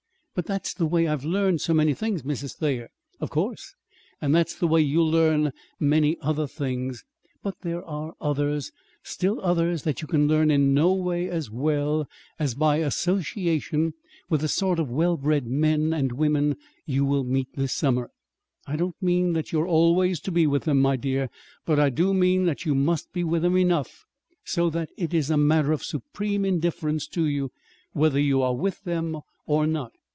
"But that's the way I've learned so many things, Mrs. Thayer." "Of course. And that's the way you'll learn many other things. But there are others still others that you can learn in no way as well as by association with the sort of well bred men and women you will meet this summer. I don't mean that you are always to be with them, my dear; but I do mean that you must be with them enough so that it is a matter of supreme indifference to you whether you are with them or not.